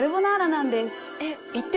えっ！